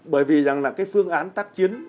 bởi vì là cái phương án tác chiến